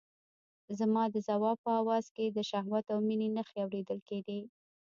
زما د ځواب په آواز کې د شهوت او مينې نښې اورېدل کېدې.